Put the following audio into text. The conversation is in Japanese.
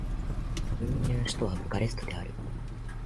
ルーマニアの首都はブカレストである